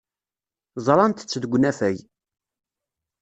Ẓrant-tt deg unafag.